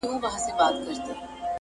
او مستعمره وګړي